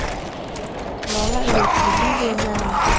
Nó lại lủi thủi đi về nhà